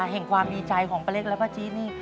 เห็นความดีใจของปะเล็กและปะจี้นี่